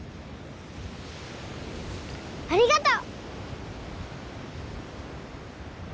ありがとう！